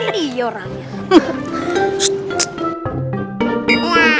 ini dia orangnya